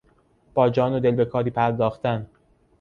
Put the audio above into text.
با جان و دل به کاری پرداختن